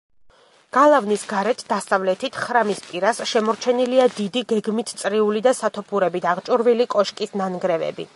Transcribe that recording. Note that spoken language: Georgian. გალავნის გარეთ, დასავლეთით, ხრამის პირას, შემორჩენილია დიდი, გეგმით წრიული და სათოფურებით აღჭურვილი კოშკის ნანგრევები.